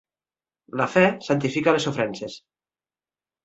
La fe santifica les sofrences.